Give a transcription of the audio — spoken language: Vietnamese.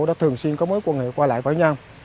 đã thường xuyên có mối quan hệ qua lại với nhau